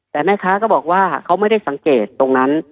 แต่แม่ค้าก็บอกว่าเขาไม่ได้สังเกตตรงนั้น